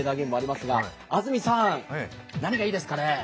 安住さん、何がいいですかね？